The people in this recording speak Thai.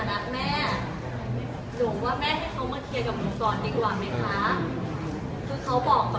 ก็คือ๒ล้าน๒ค่ะ